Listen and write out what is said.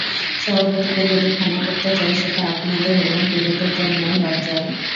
সভাপতিকে যদি ক্ষমা চাইতে হয়, সেটা আপনাদের এবং ক্রিকেটের জন্যও লজ্জার।